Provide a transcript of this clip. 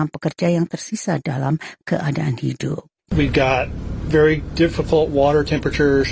enam pekerja yang tersisa dalam keadaan hidup verdi